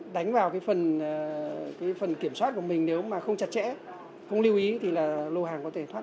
đánh vào cái phần kiểm soát của mình nếu mà không chặt chẽ không lưu ý thì là lô hàng có thể thoát